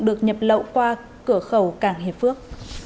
được nhập lậu qua cửa khẩu cảng hiệp phước